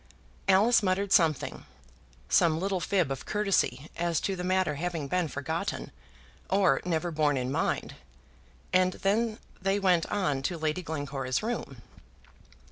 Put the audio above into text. Alice muttered something, some little fib of courtesy as to the matter having been forgotten, or never borne in mind; and then they went on to Lady Glencora's room.